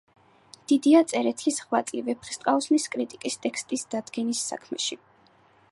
დიდია წერეთლის ღვაწლი ვეფხისტყაოსნის კრიტიკის ტექსტის დადგენის საქმეში.